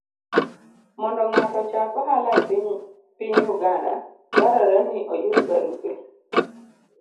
Mondo ng'ato ochak ohala e piny Uganda, dwarore ni oyud barupe